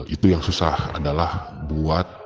itu yang susah adalah buat